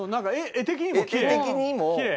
画的にも。